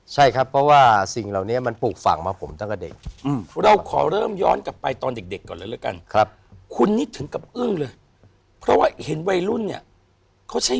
ใช่ครับเพราะสิ่งแล้วเนี้ยมันปลูกฝั่งมาผมตั้งแต่เด็ก